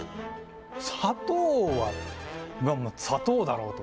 砂糖は砂糖だろうと。